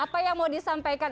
apa yang mau disampaikan